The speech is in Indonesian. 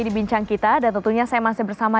dibincang kita dan tentunya saya masih bersama